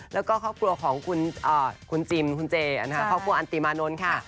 แล้วก็ครอบครัวของคุณจิมคุณเจนะคะครอบครัวอันติมานนท์ค่ะ